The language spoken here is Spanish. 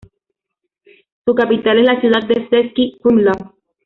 Su capital es la ciudad de Český Krumlov.